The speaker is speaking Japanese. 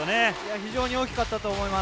非常に大きかったと思います。